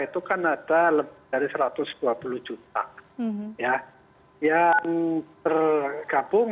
itu kan ada lebih dari satu ratus dua puluh juta ya yang tergabung